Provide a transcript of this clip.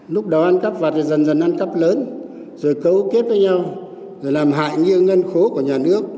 lúc đó ăn cắp vặt dần dần ăn cắp lớn rồi cấu kết với nhau rồi làm hại như ngân khố của nhà nước